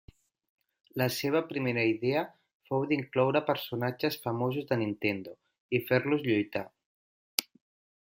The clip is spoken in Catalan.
La seva primera idea fou d'incloure personatges famosos de Nintendo i fer-los lluitar.